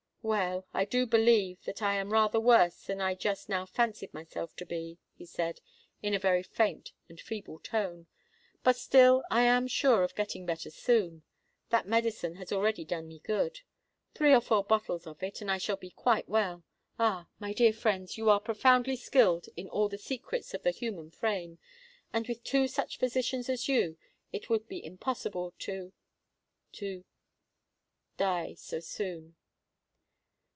"Well, I do believe that I am rather worse than I just now fancied myself to be," he said, in a very faint and feeble tone: "but still I am sure of getting better soon. That medicine has already done me good. Three or four bottles of it—and I shall be quite well. Ah! my dear friends, you are profoundly skilled in all the secrets of the human frame; and with two such physicians as you, it would be impossible to—to—die so soon!"